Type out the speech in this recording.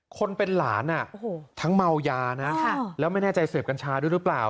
คนเป็นหลานทั้งเมายานะแล้วไม่แน่ใจเสพกัญชาด้วยหรือเปล่า